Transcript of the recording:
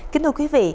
kính thưa quý vị